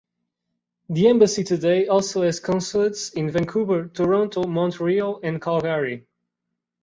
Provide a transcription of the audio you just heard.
The embassy today also has consulates in Vancouver, Toronto, Montreal, and Calgary.